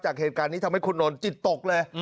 เหตุการณ์นี้ทำให้คุณนนทจิตตกเลย